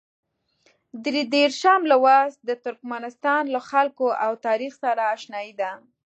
درې دېرشم لوست د ترکمنستان له خلکو او تاریخ سره اشنايي ده.